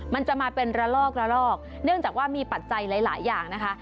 มันจะมาเป็นระลอกระลอกเนื่องจากว่ามีปัจจัยหลายอย่างนะคะ